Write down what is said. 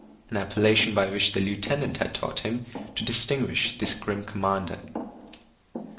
an appellation by which the lieutenant had taught him to distinguish this grim commander.